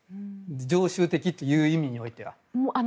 常習的という意味においては。